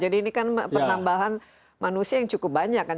jadi kan penambahan manusia yang cukup banyak kan